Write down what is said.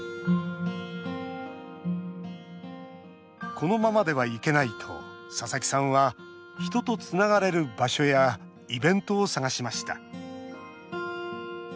このままではいけないと佐々木さんは人とつながれる場所やイベントを探しました。